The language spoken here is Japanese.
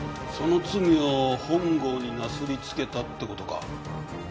その罪を本郷になすりつけたってことか。